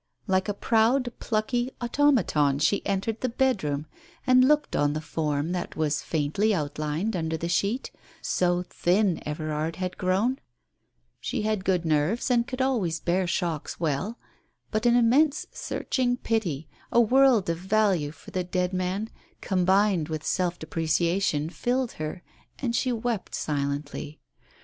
Like a proud, plucky automaton she entered the bedroom, and looked on the form that was faintly outlined under the sheet, so thin Everard had grown. She had good Digitized by Google 30 TALES OF THE UNEASY nerves, and could always bear shocks well. But an immense, searching pity, a world of value for the dead man, combined with self depreciation, filled her, and she wept silently.